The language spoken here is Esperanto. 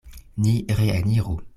Ni reeniru.